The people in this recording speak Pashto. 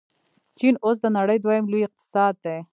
چین اوس د نړۍ دویم لوی اقتصاد دی.